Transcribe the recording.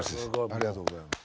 ありがとうございます。